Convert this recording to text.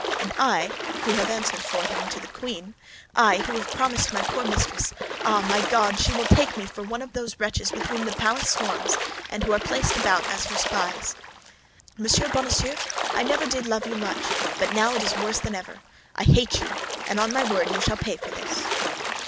And I, who have answered for him to the queen—I, who have promised my poor mistress—ah, my God, my God! She will take me for one of those wretches with whom the palace swarms and who are placed about her as spies! Ah, Monsieur Bonacieux, I never did love you much, but now it is worse than ever. I hate you, and on my word you shall pay for this!"